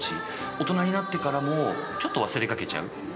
大人になってからもちょっと忘れかけちゃう。